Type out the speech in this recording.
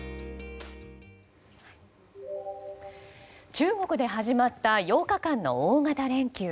中国で始まった８日間の大型連休。